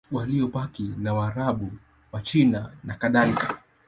Waliobaki ni Waarabu, Wachina nakadhalika.